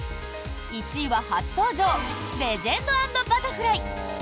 １位は初登場「レジェンド＆バタフライ」。